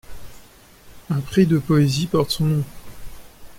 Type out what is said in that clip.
Un prix de poésie porte son nom.